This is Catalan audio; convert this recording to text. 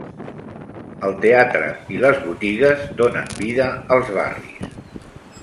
El teatre i les botigues donen vida als barris.